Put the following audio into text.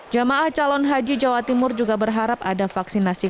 jamaah calon haji jawa timur juga berharap ada vaksinasi